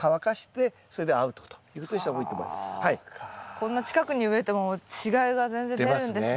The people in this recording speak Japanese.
こんな近くに植えても違いが全然出るんですね。